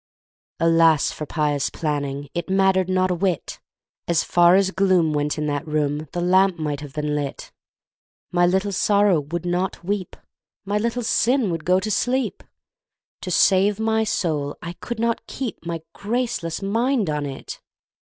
Alas for pious planning It mattered not a whit! As far as gloom went in that room, The lamp might have been lit! My Little Sorrow would not weep, My Little Sin would go to sleep To save my soul I could not keep My graceless mind on it!